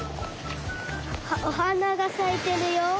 あっおはながさいてるよ？